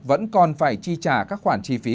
vẫn còn phải chi trả các khoản chi phí